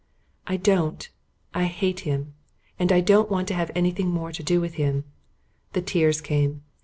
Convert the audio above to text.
"I don't. I hate him. And I don't want to have anything more to do with him." The tears came.